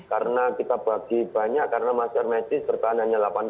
karena kita bagi banyak karena masker medis tertahan hanya delapan jam